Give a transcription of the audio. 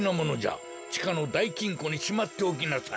ちかのだいきんこにしまっておきなさい。